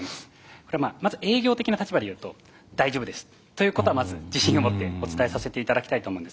これはまず営業的な立場で言うと大丈夫ですということはまず自信を持ってお伝えさせて頂きたいと思うんですが。